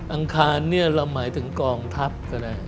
อังคารเนี่ยเราหมายถึงกองทัพก็ได้